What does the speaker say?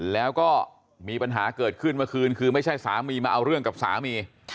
แล้วก็มีปัญหาเกิดขึ้นเมื่อคืนคือไม่ใช่สามีมาเอาเรื่องกับสามี